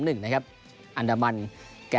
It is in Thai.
เอาชนะแกรนด์อันดามันรณองยูไนเต็ดไป๓๑นะครับ